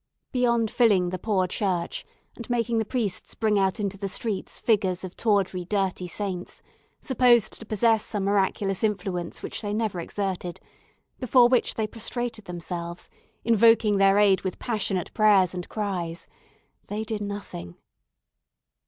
Beyond filling the poor church, and making the priests bring out into the streets figures of tawdry dirty saints, supposed to possess some miraculous influence which they never exerted, before which they prostrated themselves, invoking their aid with passionate prayers and cries, they did nothing.